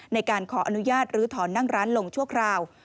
ในการขออนุญาตลื้อถอนนั่งร้านลงชั่วคราว